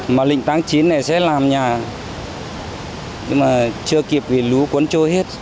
mà lịnh tháng chín này sẽ làm nhà nhưng mà chưa kịp vì lũ cuốn trôi hết